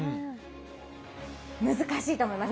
難しいと思います。